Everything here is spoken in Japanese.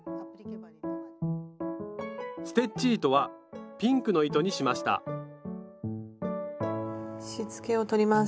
ステッチ糸はピンクの糸にしましたしつけを取ります。